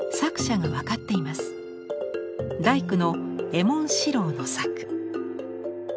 大工の右衛門四良の作。